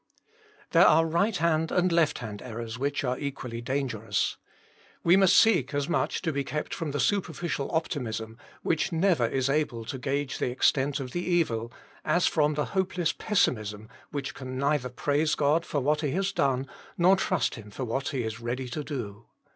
There are right hand and left hand errors which are equally dangerous. We must seek as much to be kept from the superficial Optimism, which never is able to gauge the extent of the evil, as from the hopeless Pessimism which can neither praise God for what He has done, nor trust Him for what He is ready to do.